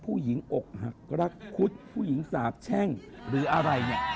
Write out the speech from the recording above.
อกหักรักคุดผู้หญิงสาบแช่งหรืออะไรเนี่ย